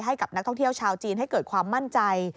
ให้กับนักท่องเที่ยวชาวจีนให้เกิดความมั่นใจ